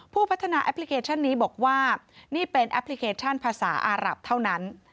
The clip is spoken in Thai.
ผู้พัฒนาแอปพลิเคชันนี้บอกว่านี่เป็นแอปพลิเคชันภาษาอารับเท่านั้น